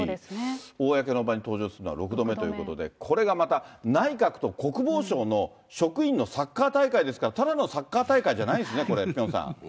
公の場に登場するのは６度目ということで、これがまた内閣と国防省の職員のサッカー大会ですから、ただのサッカー大会じゃないんですね、これ、ピョンさん。